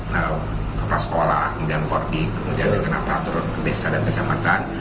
nah pas sekolah kemudian koordinasi kemudian dengan aparatur desa dan kesempatan